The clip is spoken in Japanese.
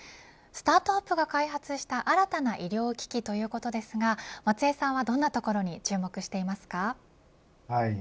スタートアップが開発した新たな医療機器ということですが松江さんはどんなところに注目していますか。